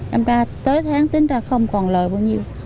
năm ra tới tháng tính ra không còn lợi bao nhiêu